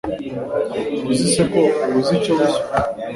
ntuzi se ko ubuze icyo wishyura